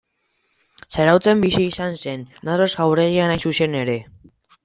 Zarautzen bizi izan zen, Narros jauregian hain zuzen ere.